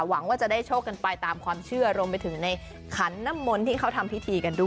หวังว่าจะได้โชคกันไปตามความเชื่อรวมไปถึงในขันน้ำมนต์ที่เขาทำพิธีกันด้วย